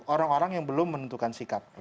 orang orang yang belum menentukan sikap